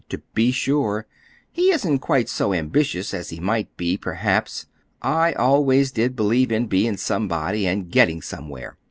To be sure, he isn't quite so ambitious as he might be, perhaps. I always did believe in being somebody, and getting somewhere.